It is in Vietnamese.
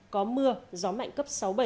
có mưa gió mạnh cấp sáu bảy